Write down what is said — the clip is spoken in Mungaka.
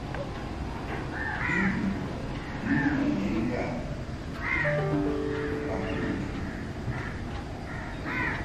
Bɨʼnu lin ma ye ŋga ba kuʼ ntɨn.